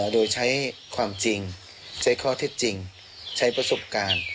โดยใช้ความจริงใช้ข้อเท็จจริงใช้ประสบการณ์